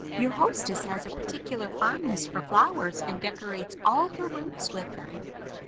Your hostess has a particular fondness for flowers and decorates all her rooms with them.